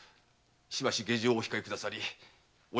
しばし下城をお控えくださりお調べの指示を。